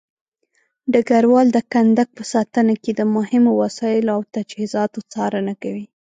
ډګروال د کندک په ساتنه کې د مهمو وسایلو او تجهيزاتو څارنه کوي.